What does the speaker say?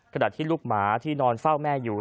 ขณะที่ลูกหมาที่นอนเฝ้าแม่อยู่